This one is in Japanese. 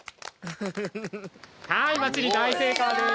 はいバッチリ大成功です。